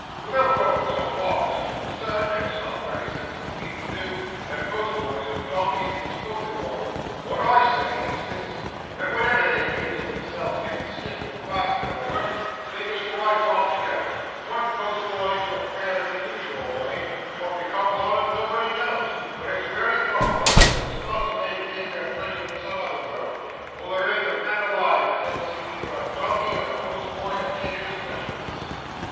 'Without goin' so far as to as sert, as some wery sensible people do, that postboys and donkeys is both immortal, wot I say is this: that wenever they feels theirselves gettin' stiff and past their work, they just rides off together, wun postboy to a pair in the usual way; wot becomes on 'em nobody knows, but it's wery probable as they starts avay to take their pleasure in some other vorld, for there ain't a man alive as ever see either a donkey or a postboy a takin' his pleasure in this!